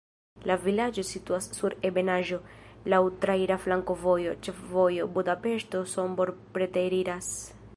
La vilaĝo situas sur ebenaĵo, laŭ traira flankovojo, ĉefvojo Budapeŝto-Sombor preteriras.